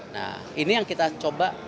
nah ini yang kita coba